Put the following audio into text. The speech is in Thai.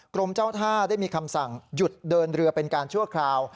กรมเจ้าท่าได้มีคำสั่งหยุดเดินเรือเป็นการชั่วคราว